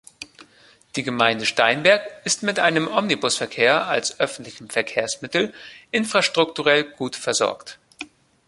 Die Gemeinde Steinberg ist mit einem Omnibusverkehr als öffentlichem Verkehrsmittel infrastrukturell gut versorgt.